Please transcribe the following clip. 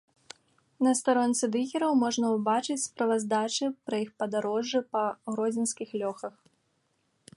На старонцы дыгераў можна ўбачыць справаздачы пра іх падарожжы па гродзенскіх лёхах.